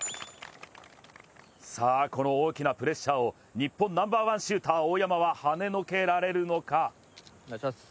この大きなプレッシャーを日本ナンバーワンシューターの大山ははねのけられるのか。